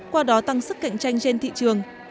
qua đó tăng sức cạnh tranh trên thị trường